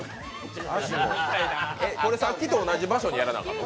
これ、さっきと同じ場所にやらなあかんの？